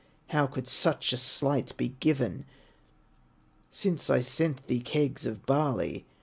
How could such a slight be given, Since I sent thee kegs of barley?